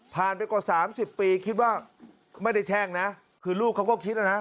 ไปกว่า๓๐ปีคิดว่าไม่ได้แช่งนะคือลูกเขาก็คิดแล้วนะ